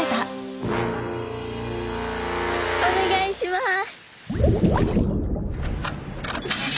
お願いします。